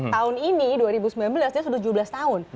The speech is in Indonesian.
tahun ini dua ribu sembilan belas dia sudah tujuh belas tahun